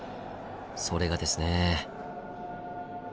それがですね。